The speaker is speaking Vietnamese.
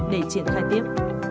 để triển khai tiếp